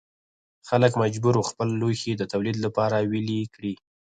خلک مجبور وو خپل لوښي د تولید لپاره ویلې کړي.